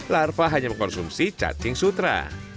larva hanya mengkonsumsi cacing sutra